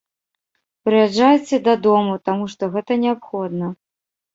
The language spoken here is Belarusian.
Прыязджайце дадому, таму што гэта неабходна.